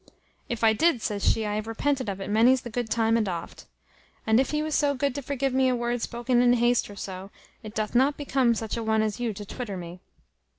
"If I did," says she, "I have repented of it many's the good time and oft. And if he was so good to forgive me a word spoken in haste or so, it doth not become such a one as you to twitter me.